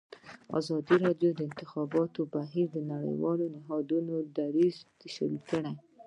ازادي راډیو د د انتخاباتو بهیر د نړیوالو نهادونو دریځ شریک کړی.